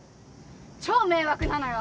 超迷惑なのよ！